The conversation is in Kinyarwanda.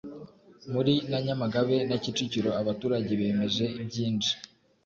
muri na nyamagabe na kicukiro abaturage bemeje byinshi